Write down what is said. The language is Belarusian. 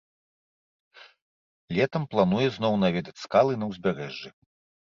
Летам плануе зноў наведаць скалы на ўзбярэжжы.